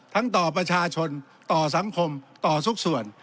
ต่อประชาชนต่อสังคมต่อทุกส่วน